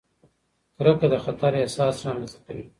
کرکه د خطر احساس رامنځته کوي.